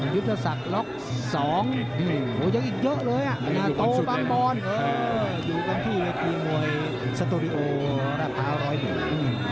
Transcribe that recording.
ยุทธศักดิ์ล็อคสองโหยังอีกเยอะเลยอ่ะโตบำบอลอยู่กันที่ทีมวยสตูดิโอราภาวร้อยเบียบ